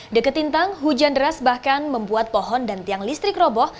deket tintang hujan deras bahkan membuat pohon dan tiang listrik roboh